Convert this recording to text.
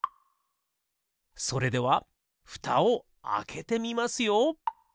それではふたをあけてみますよ。